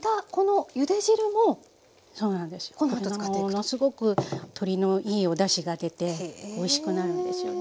ものすごく鶏のいいおだしが出ておいしくなるんですよね。